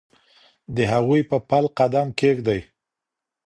د هغوی په پل قدم کېږدئ.